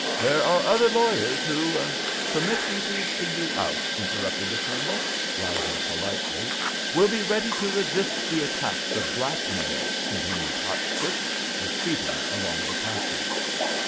"There are other lawyers who—" "Permit me to see you out," interrupted the Colonel, rising politely. "—will be ready to resist the attacks of blackmail," continued Hotchkiss, retreating along the passage.